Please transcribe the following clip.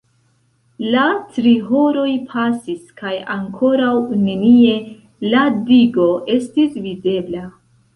La tri horoj pasis kaj ankoraŭ nenie "la digo" estis videbla.